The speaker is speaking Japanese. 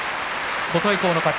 琴恵光の勝ち。